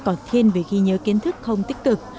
còn thiên về ghi nhớ kiến thức không tích cực